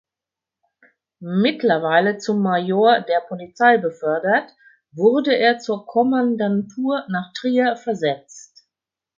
Mittlerweile zum Major der Polizei befördert wurde er zur Kommandantur nach Trier versetzt.